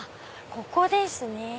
ここですね。